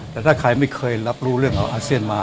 แต่ถ้าใครไม่เคยรับรู้เรื่องของอาเซียนมา